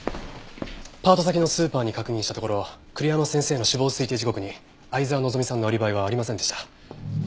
パート先のスーパーに確認したところ栗山先生の死亡推定時刻に沢希さんのアリバイはありませんでした。